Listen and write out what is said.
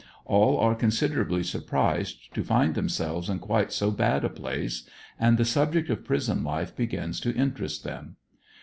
All are considerably surprised to find themselves in quite so bad a place, and the subject of prison life begins to interest them.